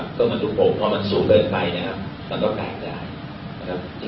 เพราะมันสูงเกินไปมันก็แปลกได้